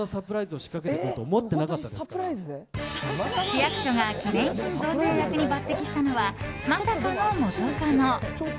市役所が記念品贈呈役に抜擢したのは、まさかの元カノ。